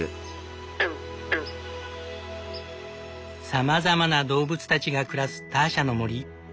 さまざまな動物たちが暮らすターシャの森。